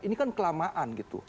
ini kan kelamaan gitu